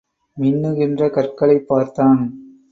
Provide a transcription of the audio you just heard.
மின்னுகின்ற கற்களைப் பார்த்தான்.